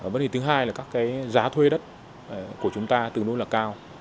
vấn đề thứ hai là các cái giá thuê đất của chúng ta tương đối là cao